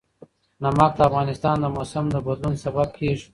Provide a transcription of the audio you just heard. نمک د افغانستان د موسم د بدلون سبب کېږي.